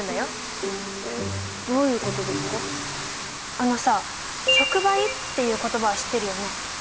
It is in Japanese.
あのさ触媒っていう言葉は知ってるよね。